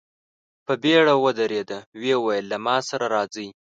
په بېړه ودرېد، ويې ويل: له ما سره راځئ!